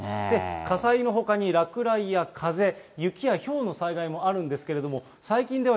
火災のほかに落雷や風、雪やひょうの災害もあるんですけれども、最近では、